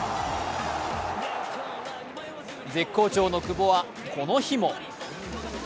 絶好調の久保はこの日も。